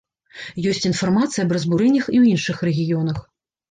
Ёсць інфармацыя аб разбурэннях і ў іншых рэгіёнах.